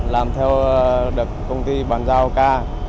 làm theo được công ty bàn giao ca